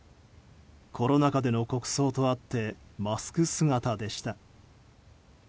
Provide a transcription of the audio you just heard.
コロナ禍での国葬とあってマスク姿でした。